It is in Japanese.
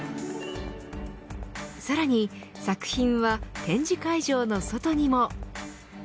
さらに作品は展示会場の外にも。